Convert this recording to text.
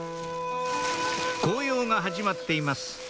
紅葉が始まっています